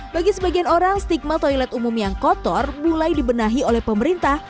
bagi sebagian orang stigma toilet umum yang kotor mulai dibenahi oleh pemerintah